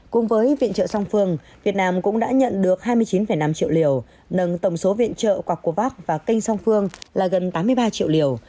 cùng với viện trợ song phương việt nam cũng đã nhận được hai mươi chín năm triệu liều nâng tổng số viện trợ quạc của pháp và kênh song phương là gần tám mươi ba triệu liều